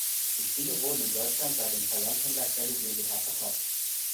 Die Spiele wurden in Deutschland bei dem Versandhändler Quelle GmbH verkauft.